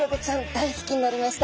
大好きになりました。